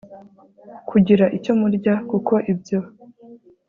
kugira icyo murya kuko ibyo